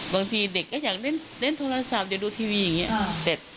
บางทีเด็กก็อยากเล่นโทรศัพท์อยากดูทีวีอย่างนี้